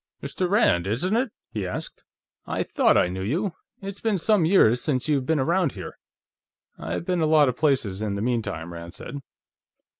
"Mr. Rand, isn't it?" he asked. "I thought I knew you. It's been some years since you've been around here." "I've been a lot of places in the meantime," Rand said.